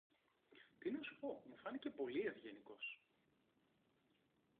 Τι να σου πω, μου φάνηκε πολύ ευγενικός!